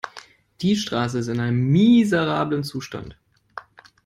Die Straße ist in einem miserablen Zustand.